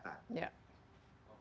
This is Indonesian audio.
tidak mungkin orang awam ya